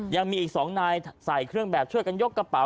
ยังมีอีก๒นายใส่เครื่องแบบช่วยกันยกกระเป๋